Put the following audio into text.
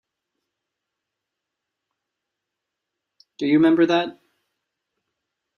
Do you remember that?